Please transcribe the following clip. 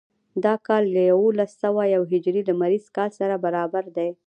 دا کال له یوولس سوه یو هجري لمریز کال سره برابر دی.